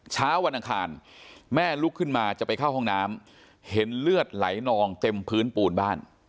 เช้าวันอังคารแม่ลุกขึ้นมาจะไปเข้าห้องน้ำเห็นเลือดไหลนองเต็มพื้นปูนบ้าน